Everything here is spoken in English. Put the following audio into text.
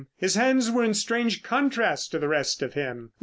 His hands were in strange contrast to the rest of him.